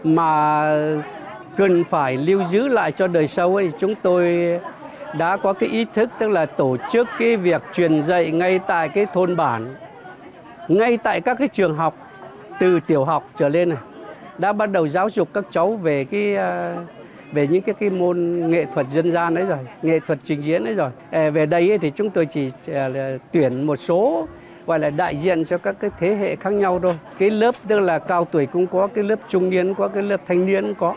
mà cần phải lưu giữ lại cho đời sau thì chúng tôi đã có cái ý thức tức là tổ chức cái việc truyền dạy ngay tại cái thôn bản ngay tại các cái trường học từ tiểu học trở lên này đã bắt đầu giáo dục các cháu về cái về những cái cái môn nghệ thuật dân gian ấy rồi nghệ thuật trình diễn ấy rồi về đây thì chúng tôi chỉ là tuyển một số gọi là đại diện cho các cái thế hệ khác nhau thôi cái lớp tức là cao tuổi cũng có cái lớp trung niên có cái lớp thanh niên có